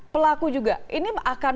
pelaku juga ini akan